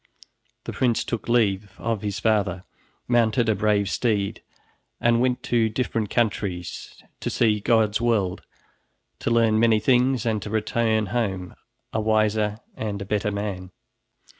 The prince took leave of his father, mounted a brave steed and went to different countries, to see God's world, to learn many things, and to return home a wiser and a better man.